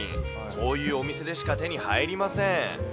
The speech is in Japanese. こういうお店でしか手に入りません。